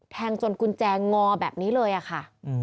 แทงจนกุญแจงอแบบนี้เลยอะค่ะ